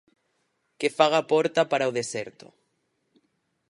Que faga porta para o deserto.